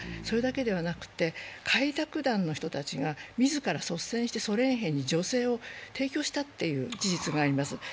それだけではなくて、開拓団の人たちが自ら率先してソ連兵に女性を提供したという事実があります。